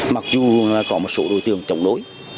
mặc dù có một số đối tượng chống đối